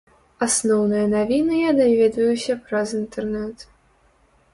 Асноўныя навіны я даведваюся праз інтэрнэт.